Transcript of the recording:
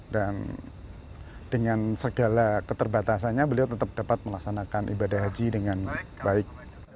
dan dengan segala keterbatasannya beliau tetap dapat melaksanakan ibadah haji dengan baik